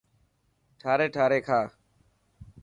ٺاري ٺاري کا.